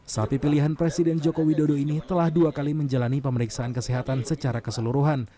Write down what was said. sapi pilihan presiden joko widodo ini telah dua kali menjalani pemeriksaan kesehatan secara keseluruhan